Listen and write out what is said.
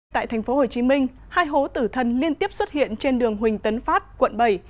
tại tp hcm hai hố tử thân liên tiếp xuất hiện trên đường huỳnh tấn phát quận bảy